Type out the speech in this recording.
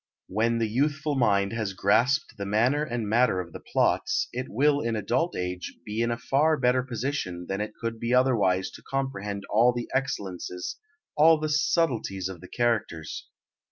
When the youthful mind has grasped the manner and matter of the plots, it will in adult age be in a far better position than it could be otherwise to comprehend all the excellences, all the subtleties of the characters.